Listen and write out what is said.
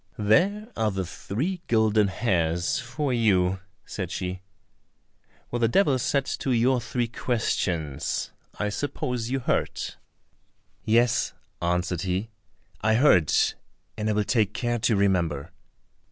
"There are the three golden hairs for you," said she. "What the Devil said to your three questions, I suppose you heard?" "Yes," answered he, "I heard, and will take care to remember."